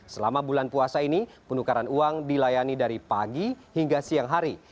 selama bulan puasa ini penukaran uang dilayani dari pagi hingga siang hari